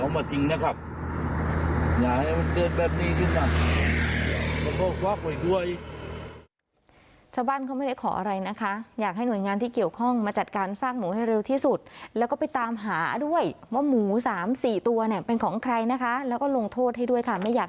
มันโกรธควักไว้ด้วย